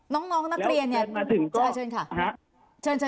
น้องนักเรียนเนี่ยเชิญค่ะ